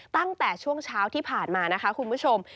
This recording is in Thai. ตั้งแต่ช่วงเช้าที่ผ่านมานะคะคุณผู้ชม